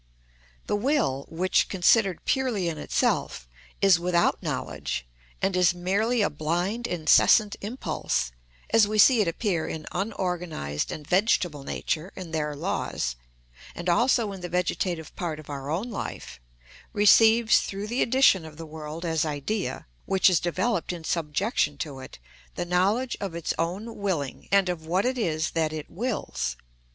The will, which, considered purely in itself, is without knowledge, and is merely a blind incessant impulse, as we see it appear in unorganised and vegetable nature and their laws, and also in the vegetative part of our own life, receives through the addition of the world as idea, which is developed in subjection to it, the knowledge of its own willing and of what it is that it wills.